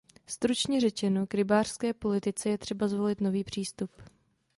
Stručně řečeno, k rybářské politice je třeba zvolit nový přístup.